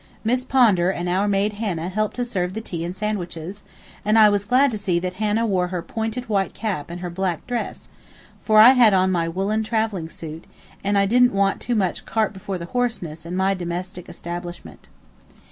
Miss Pondar and our maid Hannah helped to serve the tea and sandwiches, and I was glad to see that Hannah wore her pointed white cap and her black dress, for I had on my woollen travelling suit, and I didn't want too much cart before the horseness in my domestic establishment.